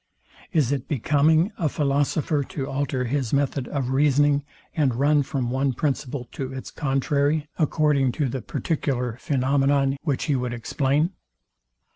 Is it becoming a philosopher to alter his method of reasoning, and run from one principle to its contrary, according to the particular phænomenon, which he would explain?